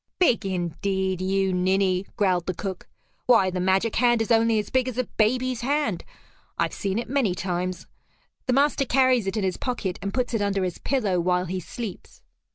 "Big indeed, you ninny!" growled the cook. "Why, the magic hand is only as big as a baby's hand. I've seen it many times. The master carries it in his pocket, and puts it under his pillow while he sleeps."